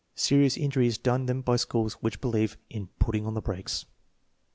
Serious injury is done them by schools which believe in " putting on the brakes."